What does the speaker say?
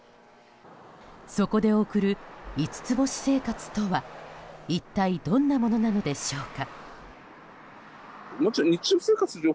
そこで送る５つ星生活とは一体どんなものなのでしょうか。